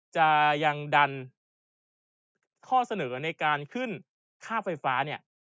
จะยังดันข้อเสนอในการขึ้นค่าไฟฟ้าเนี่ย